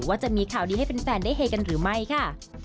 ว่าจะมีข่าวดีให้แฟนได้เฮกันหรือไม่ค่ะ